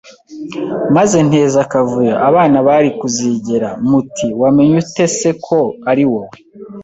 maze nteza akavuyo abana bari kuzigera. Muti wamenye ute se ko ari wowe